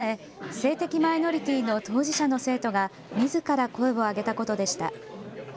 きっかけは５年前、性的マイノリティーの当事者の生徒がみずから声を上げたことでした。